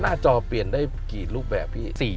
จอเปลี่ยนได้กี่รูปแบบพี่